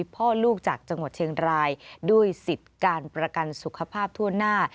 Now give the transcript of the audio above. พ่อลูกจากจังหวัดเชียงรายด้วยสิทธิ์การประกันสุขภาพทั่วหน้า